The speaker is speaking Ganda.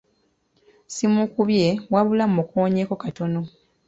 Simukubye wabula mmukoonyeko katono.